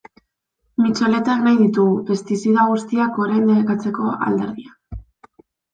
Mitxoletak nahi ditugu, pestizida guztiak orain debekatzeko aldarria.